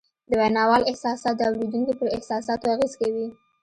د ویناوال احساسات د اورېدونکي پر احساساتو اغېز کوي